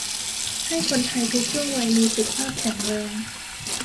ให้คนไทยทุกช่วงวัยมีสุขภาพแข็งแรง